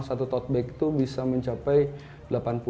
satu tote bag itu bisa mencapai delapan puluh sembilan puluh ribu